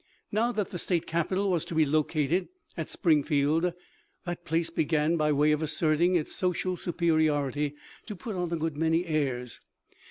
Now that the State capital was to be located at Springfield, that place began, by way of asserting its social superiority, to put on a good many airs.